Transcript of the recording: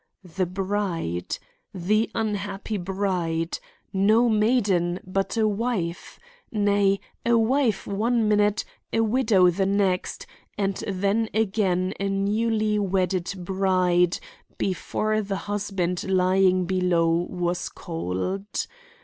The bride! the unhappy bride—no maiden but a wife! nay, a wife one minute, a widow the next, and then again a newly wedded bride before the husband lying below was cold!